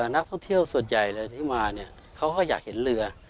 นักท่องเที่ยวส่วนใหญ่เลยที่มาเนี่ยเขาก็อยากเห็นเรือ